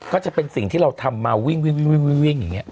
ก็จะเป็นสิ่งที่เราทำมาวิ่งอย่างนี้